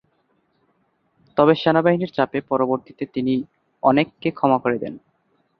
তবে সেনাবাহিনীর চাপে পরবর্তীতে তিনি অনেককে ক্ষমা করে দেন।